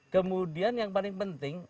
kemudian yang paling penting